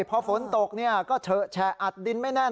พอฝนตกก็เฉอะแฉะอัดดินไม่แน่น